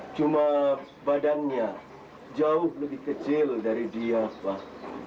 cuma badannya jauh lebih kecil dari dia lah